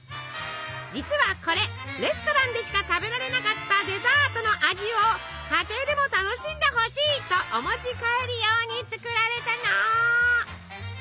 実はこれレストランでしか食べられなかったデザートの味を家庭でも楽しんでほしいとお持ち帰り用に作られたの！